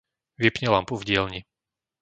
Vypni lampu v dielni.